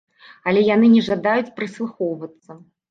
Але яны не жадаюць прыслухоўвацца.